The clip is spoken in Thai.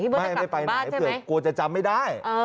ไม่ไปไหนเผื่อกลัวจะจำไม่ได้